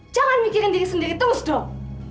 jangan mikirin diri sendiri tungus dong